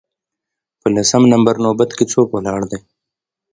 په لسم نمبر نوبت کې څوک ولاړ دی